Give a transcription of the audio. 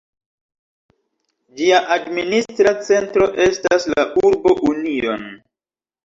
Ĝia administra centro estas la urbo Union.